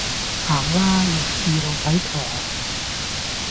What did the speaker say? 行啦，弱智露體狂